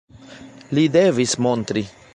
Li devis montri.